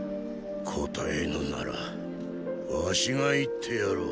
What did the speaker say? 答えぬなら儂が言ってやろう。